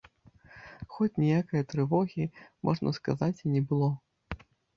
Хоць ніякае трывогі, можна сказаць, і не было.